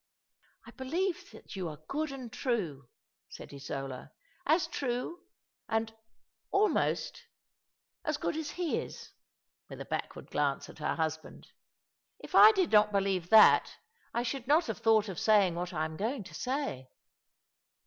" I believe that you are good and true," said Isola. " As true and — almost — as good as he is" — with a backward glance at her husband. " If I did not believe that I should not have thought of saying what I am going to say."